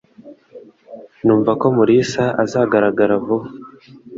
Numva ko Mulisa azagaragara vuba.